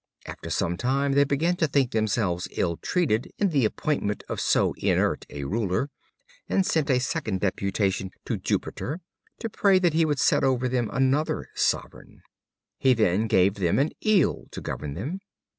After some time they began to think themselves ill treated in the appointment of so inert a Ruler, and sent a second deputation to Jupiter to pray that he would set over them another sovereign. He then gave them an Eel to govern them.